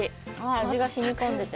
味がしみ込んでて。